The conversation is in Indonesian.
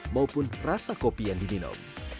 maupun rasa kopi yang diminum